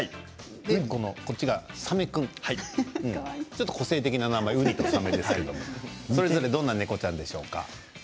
グレーがサメ君ちょっと個性的な名前ウニとサメですけれどもどんな猫ちゃんでしょうか。